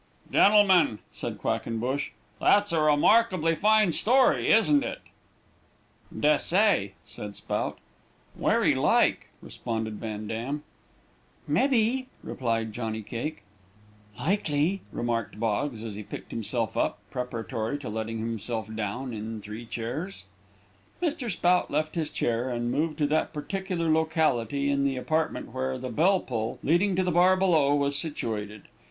"Gentlemen," said Quackenbush, "that's a remarkably fine story, isn't it?" "Des'say," said Spout. "Werry like," responded Van Dam. "Mebbee," replied Johnny Cake. "Likely," remarked Boggs, as he picked himself up, preparatory to letting himself down in three chairs. Mr. Spout left his chair, and moved to that particular locality in the apartment where the bell pull, leading to the bar below, was situated.